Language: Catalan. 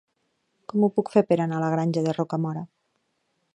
Com ho puc fer per anar a la Granja de Rocamora?